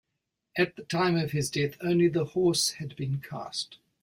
At the time of his death only the horse had been cast.